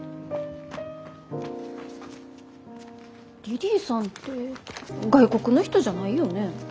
リリィさんって外国の人じゃないよね？